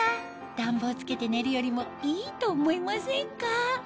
暖房をつけて寝るよりもいいと思いませんか？